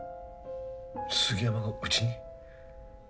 杉山がうちに？